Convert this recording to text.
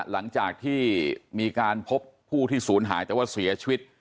หลังจากที่มีการพบผู้ที่ศูนย์หายแต่ว่าเสียชีวิต